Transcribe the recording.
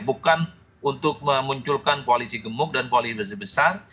bukan untuk memunculkan koalisi gemuk dan koalisi besar